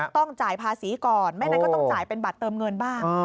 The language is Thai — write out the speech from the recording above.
ต้องจ่ายภาษีก่อนไม่งั้นก็ต้องจ่ายเป็นบัตรเติมเงินบ้าง